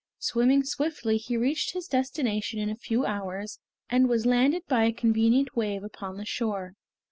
Swimming swiftly he reached his destination in a few hours, and was landed by a convenient wave upon the shore.